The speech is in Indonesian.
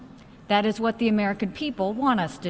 itu yang ingin orang amerika lakukan